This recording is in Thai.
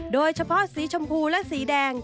โดยเฉพาะสีชมพูและสีแดง